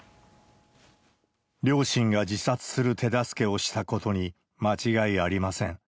両親が自殺する手助けをしたことに間違いありません。